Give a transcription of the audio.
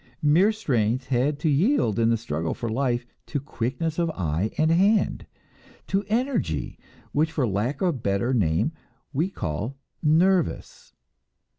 Mere strength had to yield in the struggle for life to quickness of eye and hand, to energy which for lack of a better name we may call "nervous."